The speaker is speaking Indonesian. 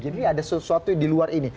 jadi ini ada sesuatu yang diluar ini